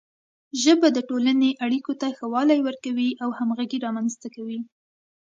ژبه د ټولنې اړیکو ته ښه والی ورکوي او همغږي رامنځته کوي.